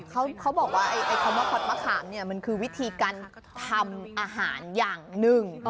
เขาบอกว่าคำว่ามะขามเนี่ยมันคือวิธีการทำอาหารอย่างหนึ่ง